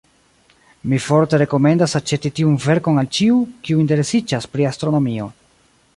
Mi forte rekomendas aĉeti tiun verkon al ĉiu, kiu interesiĝas pri astronomio!